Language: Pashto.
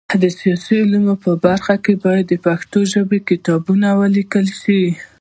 د سیاسي علومو په برخه کي باید په پښتو ژبه کتابونه ولیکل سي.